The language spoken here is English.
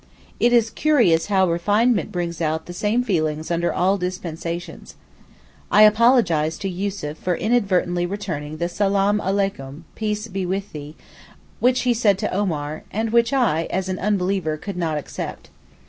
It is curious how refinement brings out the same feelings under all 'dispensations.' I apologized to Yussuf for inadvertently returning the Salaam aleykoum (Peace be with thee), which he said to Omar, and which I, as an unbeliever, could not accept.